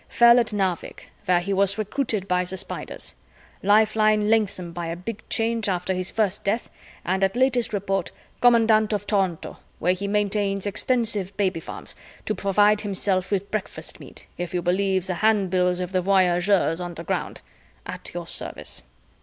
Fell at Narvik, where he was Recruited by the Spiders. Lifeline lengthened by a Big Change after his first death and at latest report Commandant of Toronto, where he maintains extensive baby farms to provide him with breakfast meat, if you believe the handbills of the voyageurs underground. At your service."